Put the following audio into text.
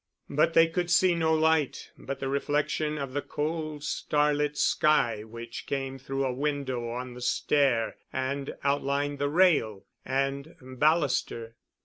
But they could see no light but the reflection of the cold starlit sky which came through a window on the stair and outlined the rail and baluster.